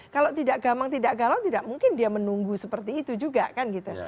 kalau tidak gamang tidak galau tidak mungkin dia menunggu seperti itu juga kan gitu